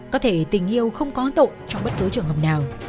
có thể tình yêu không có tội trong bất cứ trường hợp nào